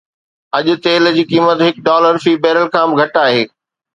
اڄ تيل جي قيمت هڪ ڊالر في بيرل کان به گهٽ آهي.